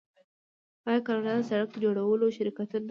آیا کاناډا د سړک جوړولو شرکتونه نلري؟